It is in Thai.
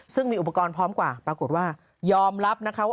ซึ่งมีอุปกรณ์พร้อมกว่าปรากฏว่ายอมรับนะคะว่า